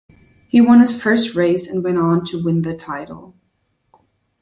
He won his first race and went on to win the title.